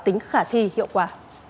tính khả thi hiệu quả